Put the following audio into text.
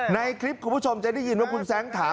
ในคลิปคุณผู้ชมจะได้ยินว่าคุณแซ้งถาม